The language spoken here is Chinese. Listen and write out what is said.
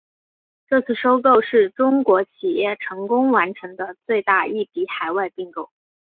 这次收购是中国企业成功完成的最大一笔海外并购。